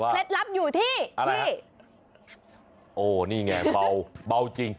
เคล็ดลับอยู่ที่ที่น้ำซุปโอ้นี่ไงเขาเบาจริง